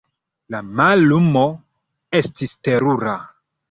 La mallumo estis terura.